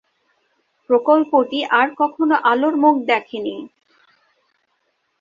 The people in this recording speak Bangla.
প্রকল্পটি আর কখনো আলোর মুখ দেখে নি।